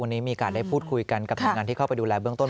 วันนี้มีโอกาสได้พูดคุยกันกับหน่วยงานที่เข้าไปดูแลเบื้องต้น